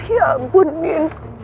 ya ampun min